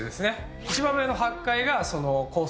一番上の８階がコース